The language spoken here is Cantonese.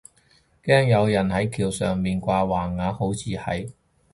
驚有人係橋上面掛橫額，好似係